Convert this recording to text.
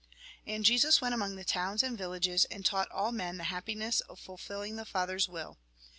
And Jesus went camong the towns and villages, and taught all men the happiness of fulfilling the Father's will.